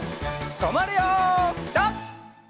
とまるよピタ！